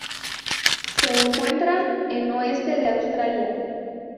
Se encuentra en oeste de Australia.